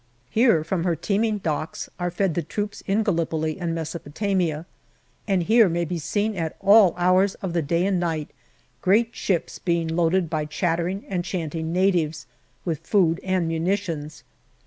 Here, from her teeming docks, are fed the troops in Gallipoli and Mesopotamia and here may be seen at all hours of the day and night great ships being loaded by chattering and chanting natives with food and munitions.